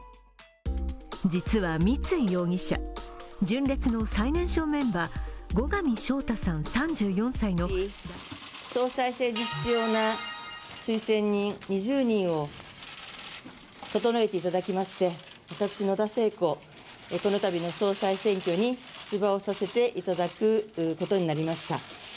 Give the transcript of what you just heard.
実は、三井容疑者純烈の最年少メンバー後上翔太さん３４歳の総裁選に必要な推薦人２０人を整えていただきまして、私、野田聖子、このたびの総裁選挙に出馬をさせていただくことになりました。